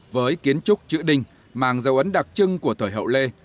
với kiến trúc chữ đình màng dầu ấn đặc trưng của thời hậu lê